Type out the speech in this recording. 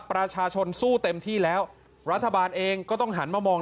ประชาชนสู้เต็มที่แล้วรัฐบาลเองก็ต้องหันมามอง